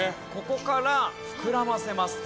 ここから膨らませます。